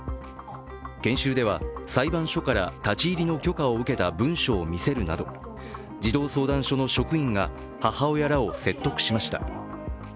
研修では裁判所から立ち入りの許可を受けた文書を見せるなど児童相談所の職員が母親らを説得しました。